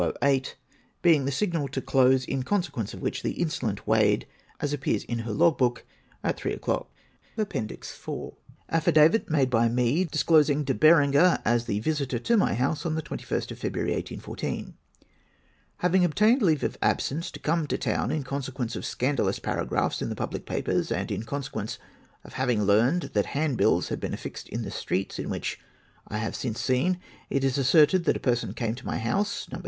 [Being the signal to close, in consequence of which, the Insolent weighed as appears by her log book at 3 o'clock.] E E 3 4T2 APPENDIX IV AFFIDAVIT MADE ET ME, DISCLOSING DE BERENGEII AS THE VISITOR TO MT HOUSE ON THE 21 ST OF FEBKUAHY 1814. Having obtained leave of absence to come to Town, in consequence of scandalous paragraphs in the public papers, and in consequence of having learnt that hand bills had been affixed in the streets, in which (I have since seen) it is asserted that a person came to my house, No.